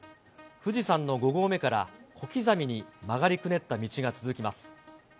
富士山の５合目から小刻みに曲がりくねった道が続きます。